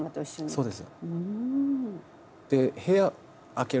そうです。